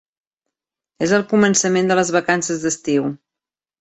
És el començament de les vacances d'estiu.